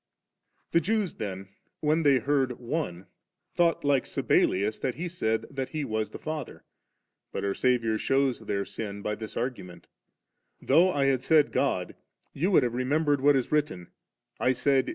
17. The Jews then, when they heard *One^' thought like Sabellius that He said that He was the Father, but our Saviour shews their sin by this argument : 'Though I had said "God," you should have remembered what is writte^ " I said.